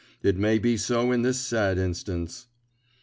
It may be so in this sad instance."